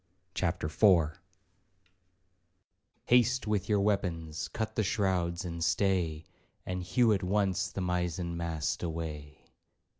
CHAPTER IV Haste with your weapons, cut the shrouds and stay, And hew at once the mizen mast away.